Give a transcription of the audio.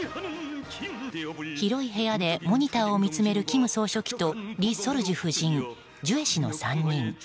広い部屋でモニターを見つめる金総書記とリ・ソルジュ夫人、ジュエ氏の３人。